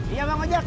iya bang ojek